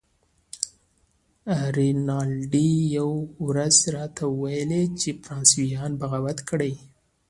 رینالډي یوه ورځ راته وویل چې فرانسویانو بغاوت کړی.